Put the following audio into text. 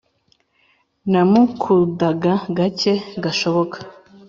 namukudaga gake gashoboka